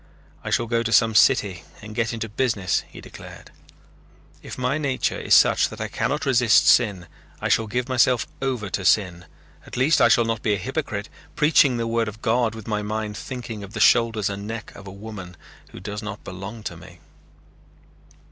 "I shall go to some city and get into business," he declared. "If my nature is such that I cannot resist sin, I shall give myself over to sin. At least I shall not be a hypocrite, preaching the word of God with my mind thinking of the shoulders and neck of a woman who does not belong to me."